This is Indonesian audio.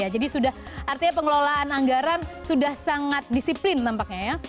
jadi artinya pengelolaan anggaran sudah sangat disiplin nampaknya